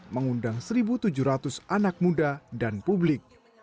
mengundang satu tujuh ratus anak muda dan publik